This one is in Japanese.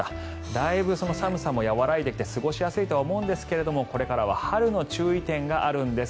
だいぶ寒さも和らいできて過ごしやすいとは思うんですがこれからは春の注意点があるんです。